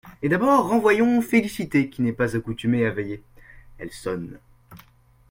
Et d’abord renvoyons Félicité, qui n’est pas accoutumée à veiller. elle sonne.